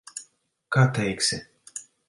Kā teiksi.